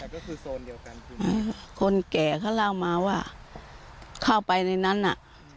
ก็คือโซนเดียวกันใช่ไหมคนแก่เขาเล่ามาว่าเข้าไปในนั้นน่ะ